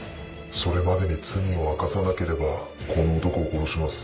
それまでに罪を明かさなければこの男を殺します。